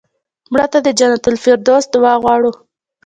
مړه ته د جنت الفردوس دعا غواړو